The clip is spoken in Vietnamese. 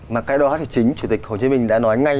mà cái đó thì chính chủ tịch hồ chí minh đã nói ngay